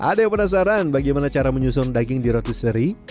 ada yang penasaran bagaimana cara menyusun daging di rotisserie